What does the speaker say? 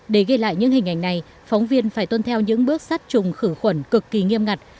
để ghi lại những hình ảnh này phóng viên phải tuân theo những bước sát trùng khử khuẩn cực kỳ nghiêm ngặt